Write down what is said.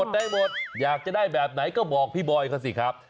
ได้หมดอยากจะได้แบบไหนก็บอกพี่บอยเขาสิครับ